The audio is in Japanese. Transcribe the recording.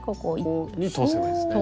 ここに通せばいいんですね。